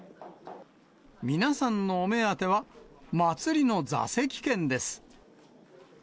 皆さんのお目当ては、祭りの座席券です。